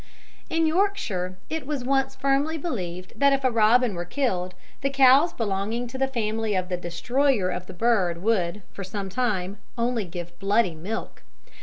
In Yorkshire it was once firmly believed that if a robin were killed, the cows belonging to the family of the destroyer of the bird would, for some time, only give bloody milk.